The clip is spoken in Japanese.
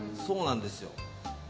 そうなんですよ